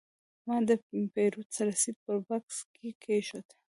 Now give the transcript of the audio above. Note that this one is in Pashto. ما د پیرود رسید په بکس کې کېښود.